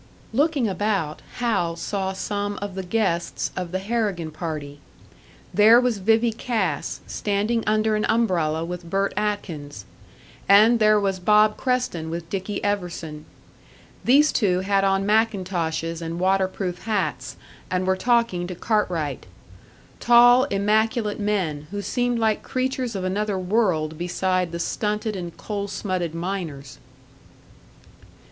Looking about, Hal saw some of the guests of the Harrigan party. There was Vivie Cass, standing under an umbrella with Bert Atkins; and there was Bob Creston with Dicky Everson. These two had on mackintoshes and water proof hats, and were talking to Cartwright; tall, immaculate men, who seemed like creatures of another world beside the stunted and coal smutted miners.